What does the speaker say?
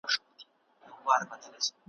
ضبط نفس که دی حاصل کئ قهرمان یې